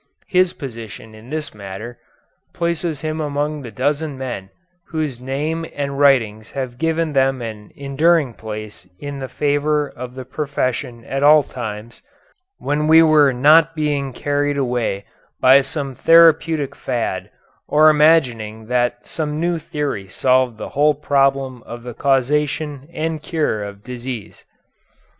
His position in this matter places him among the dozen men whose name and writings have given them an enduring place in the favor of the profession at all times, when we were not being carried away by some therapeutic fad or imagining that some new theory solved the whole problem of the causation and cure of disease.